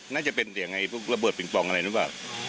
น่าจะเป็นเสียงไอ้ระเบิดปิงปองอะไรรู้ป่ะ